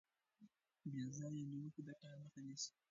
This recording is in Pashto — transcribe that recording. بې ځایه نیوکې د کار مخه نیسي.